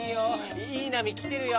いいなみきてるよ。